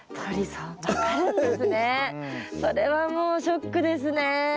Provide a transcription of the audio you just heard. それはもうショックですね。